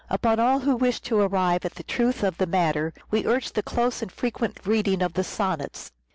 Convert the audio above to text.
Upon all who wish to arrive at the truth of the matter we urge the close and frequent reading of the Sonnets.